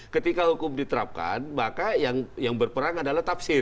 ketika hukum diterapkan maka yang berperang adalah tafsir